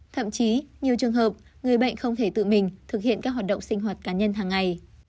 thậm chí nhiều trường hợp người bệnh không thể tự mình thực hiện các hoạt động sinh hoạt cá nhân hàng ngày